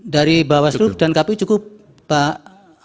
dari bawaslu dan kpu cukup pak